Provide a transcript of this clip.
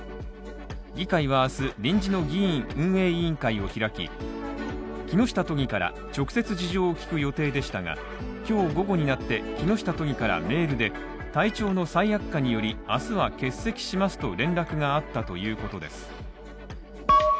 議会は明日、臨時の議院運営委員会を開き、木下都議から直接事情を聞く予定でしたが今日午後になって、木下都議からメールで体調の再悪化により、明日は欠席しますと連絡があったということです。